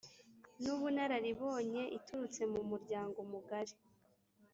N ubunararibonye iturutse mu muryango mugari